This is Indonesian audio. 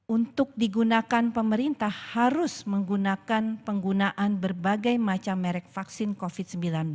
untuk digunakan pemerintah harus menggunakan penggunaan berbagai macam merek vaksin covid sembilan belas